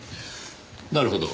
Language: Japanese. なるほど。